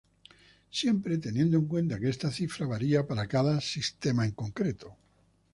Siempre teniendo en cuenta que esta cifra varia para cada sistema en concreto.